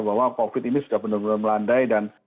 bahwa covid ini sudah benar benar melandai dan